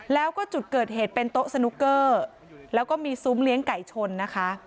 แล้วก็จุดเกิดเหตุเป็นโต๊ะสนุกเกอร์แล้วก็มีซุ้มเลี้ยงไก่ชนนะคะ